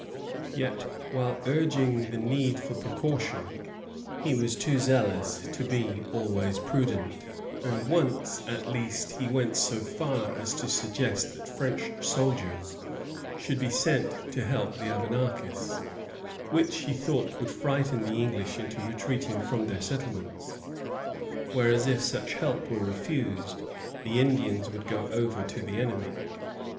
" Yet while urging the need of precaution, he was too zealous to be always prudent; and once, at least, he went so far as to suggest that French soldiers should be sent to help the Abenakis, which, he thought, would frighten the English into retreating from their settlements; whereas if such help were refused, the Indians would go over to the enemy.